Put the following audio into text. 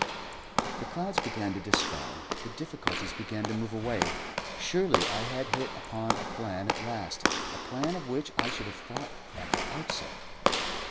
The clouds began to dispel, the difficulties began to move away. Surely I had hit upon a plan at last, a plan on which I should have thought at the outset.